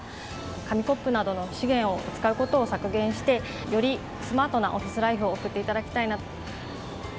紙コップなどの資源を使うことを削減して、よりスマートなオフィスライフを送っていただきたいなと。